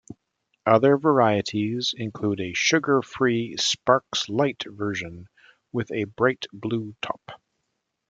Other varieties include a sugar-free "Sparks Light" version with a bright blue top.